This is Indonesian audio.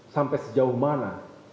sampai sejauh mana